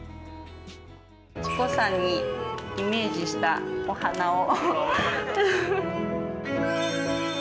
智子さんにイメージしたお花を。